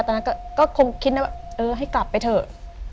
ตอนนั้นก็คงคิดนะว่าเออให้กลับไปเถอะ